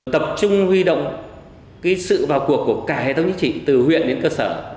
tập trung huy động sự vào cuộc của cả hệ thống chính trị từ huyện đến cơ sở